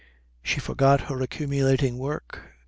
She forgot her accumulating work.